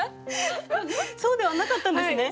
そうではなかったんですね？